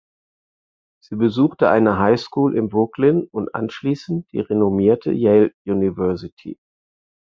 Sie besuchte eine Highschool in Brooklyn und anschließend die renommierte Yale University.